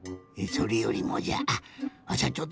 それよりもじゃわしゃ